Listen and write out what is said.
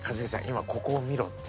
今ここを見ろっていう。